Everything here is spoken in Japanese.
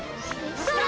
それ！